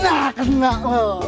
nah kena lo